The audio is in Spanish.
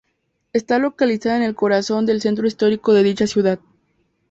Está localizada en el corazón del centro histórico de dicha ciudad.